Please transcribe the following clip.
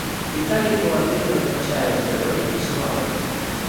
— Віталій по-латині означає живий, жвавий.